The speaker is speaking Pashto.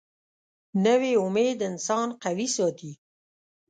نوې امید انسان قوي ساتي